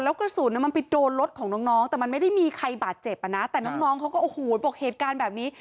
แล้วกระสุนมันไปโดนรถของน้องแต่มันไม่ได้มีใครบาดเจ็บอ่ะนะแต่น้องเขาก็โอ้โหบอกเหตุการณ์แบบนี้